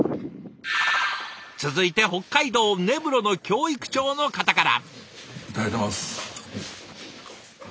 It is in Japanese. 続いて北海道・根室の教育庁の方から。